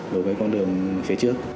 đối với con đường phía trước